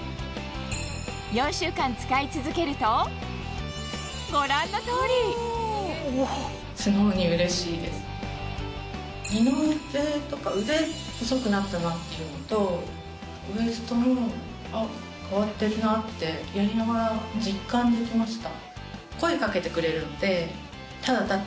４週間使い続けるとご覧の通り腕細くなったなっていうのとウエストも変わってるなってやりながら実感できました。